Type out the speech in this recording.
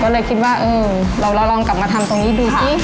ก็เลยคิดว่าเออเราลองกลับมาทำตรงนี้ดูสิ